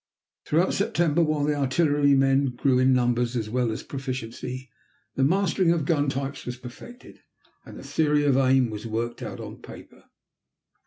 Throughout September, while the artillerymen grew in numbers as well as proficiency, the mastering of gun types was perfected, and the theory of aim was worked out on paper.